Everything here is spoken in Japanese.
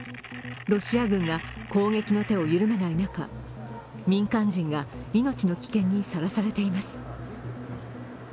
ロシア軍が攻撃の手を緩めない中、民間人が命の危険にさらされています。